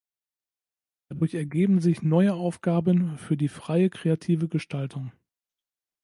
Dadurch ergeben sich neue Aufgaben für die freie kreative Gestaltung.